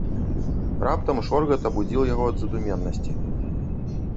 Раптам шоргат абудзіў яго ад задуменнасці.